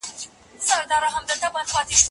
ملا بانګ د یوې نوې ورځې د پیل لپاره تکل وکړ.